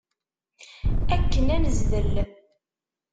Akken ad nezdel.